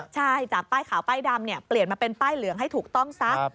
ใช่จากป้ายขาวป้ายดำเปลี่ยนมาเป็นป้ายเหลืองให้ถูกต้องซะ